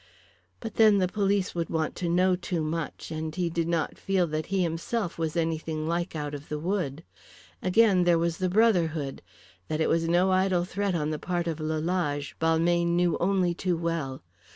But then the police would want to know too much, and he did not feel that he himself was anything like out of the wood. Again, there was the Brotherhood. That it was no idle threat on the part of Lalage, Balmayne knew only too well.